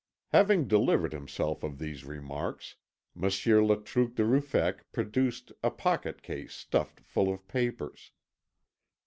Having delivered himself of these remarks, Monsieur Le Truc de Ruffec produced a pocket case stuffed full of papers.